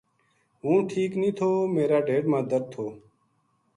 ہوں ٹھیک نیہہ تھو میرا ڈھیڈ ما درد تھو ‘‘